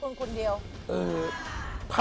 พันกรมีแฟนรึเปล่า